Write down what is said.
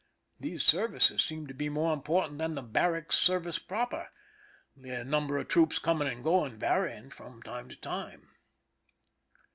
These services seemed to be more important than the barrack ser vice proper, the number of troops coming and going varying from time to time.